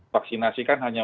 vaksinasi kan hanya